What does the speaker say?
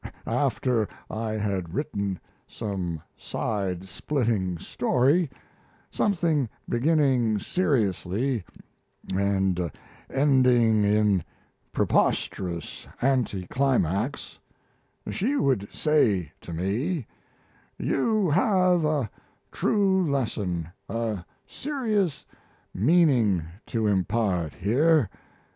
After I had written some side splitting story, something beginning seriously and ending in preposterous anti climax, she would say to me: 'You have a true lesson, a serious meaning to impart here.